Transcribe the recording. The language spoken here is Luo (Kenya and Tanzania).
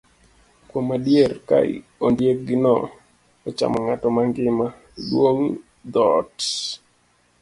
Kuom adier, ka ondiegno ochamo ng'ato mangima, dwong' dhoot.